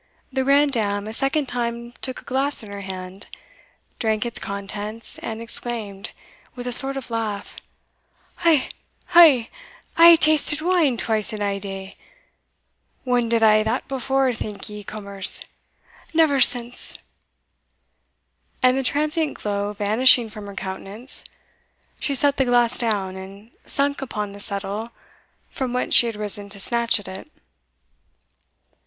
The grandame a second time took a glass in her hand, drank its contents, and exclaimed, with a sort of laugh, "Ha! ha! I hae tasted wine twice in ae day Whan did I that before, think ye, cummers? Never since" and the transient glow vanishing from her countenance, she set the glass down, and sunk upon the settle from whence she had risen to snatch at it.